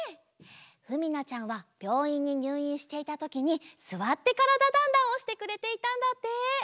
ふみなちゃんはびょういんににゅういんしていたときに「すわってからだ☆ダンダン」をしてくれていたんだって。